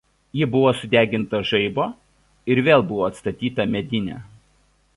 Ji buvo sudeginta žaibo ir vėl buvo atstatyta medinė.